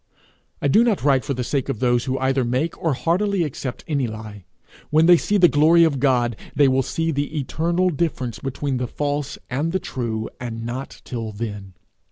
I do not write for the sake of those who either make or heartily accept any lie. When they see the glory of God, they will see the eternal difference between the false and the true, and not till then.